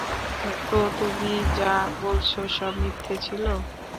তো, তুমি যা বলেছো সব মিথ্যে ছিল?